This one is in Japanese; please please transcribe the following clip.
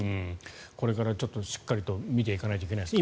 これからしっかりと見ていかないといけないです。